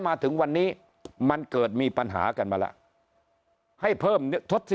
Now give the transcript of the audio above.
มาถึงวันนี้มันเกิดมีปัญหากันมาแล้วให้เพิ่มทศ